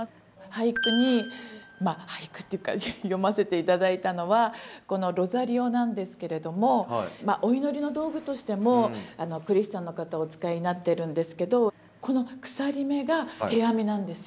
俳句にまあ俳句っていうか詠ませて頂いたのはこのロザリオなんですけれどもお祈りの道具としてもクリスチャンの方お使いになってるんですけど手編み？